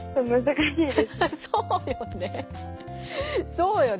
そうよね。